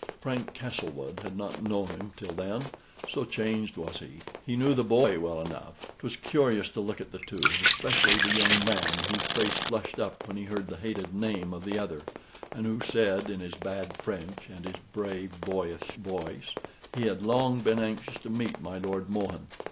Frank Castlewood had not known him till then, so changed was he. He knew the boy well enough. 'Twas curious to look at the two especially the young man, whose face flushed up when he heard the hated name of the other; and who said in his bad French and his brave boyish voice "He had long been anxious to meet my Lord Mohun."